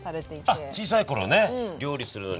あっ小さい頃ね料理するのに。